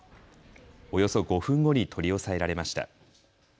およそ５分後に取り押さえられました。